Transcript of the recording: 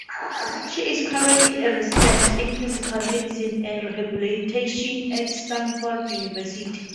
She is currently a resident in Physical Medicine and Rehabilitation at Stanford University.